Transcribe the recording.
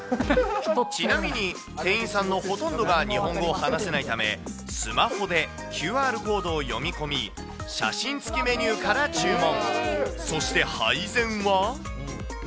ちなみに、店員さんのほとんどが日本語を話せないため、スマホでＱＲコードを読み込み、写真付きメニューから注文。